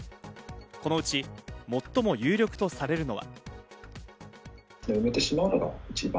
このうち最も有力とされるのが。